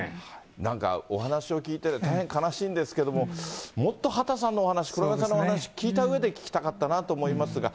なんか、お話を聞いてて、大変悲しいんですけど、もっと畑さんのお話、黒鉄さんのお話を聞いたうえで聞きたかったなと思いますが。